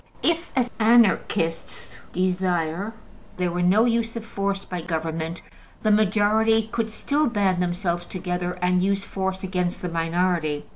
If, as Anarchists desire, there were no use of force by government, the majority could still band themselves together and use force against the minority.